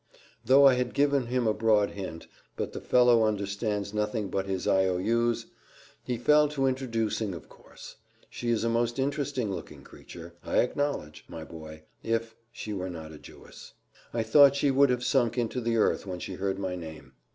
Though I had given him a broad hint but the fellow understands nothing but his IOU's he fell to introducing of course: she is a most interesting looking creature, I acknowledge, my boy, if she were not a Jewess. I thought she would have sunk into the earth when she heard my name.